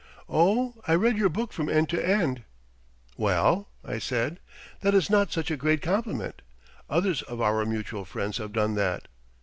"Oh, I read your book from end to end." "Well," I said, "that is not such a great compliment. Others of our mutual friends have done that."